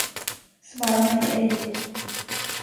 Svara mig ej.